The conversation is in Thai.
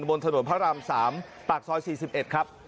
บนถนนพระราม๓ปากซอย๔๑ครับ